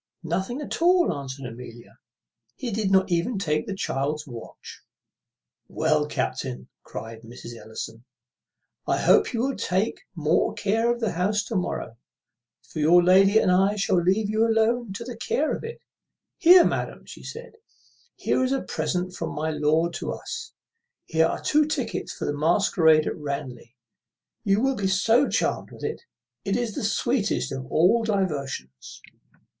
"Nothing at all," answered Amelia. "He did not even take the child's watch." "Well, captain," cries Mrs. Ellison, "I hope you will take more care of the house to morrow; for your lady and I shall leave you alone to the care of it. Here, madam," said she, "here is a present from my lord to us; here are two tickets for the masquerade at Ranelagh. You will be so charmed with it! It is the sweetest of all diversions."